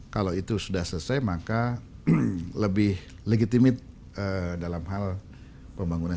kalau itu sudah selesai maka lebih legitimit dalam hal pembangunan